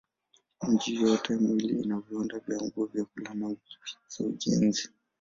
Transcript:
Miji yote miwili ina viwanda vya nguo, vyakula na za ujenzi.